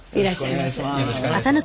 いらっしゃいませ。